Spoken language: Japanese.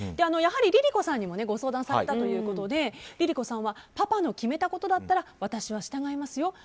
やはり、ＬｉＬｉＣｏさんにもご相談されたということでＬｉＬｉＣｏさんはパパの決めたことだったら私は従いますよ。